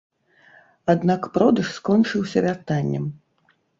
Аднак продаж скончыўся вяртаннем.